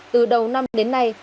từ đầu năm đến nay